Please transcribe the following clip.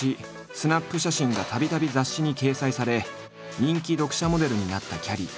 スナップ写真がたびたび雑誌に掲載され人気読者モデルになったきゃりー。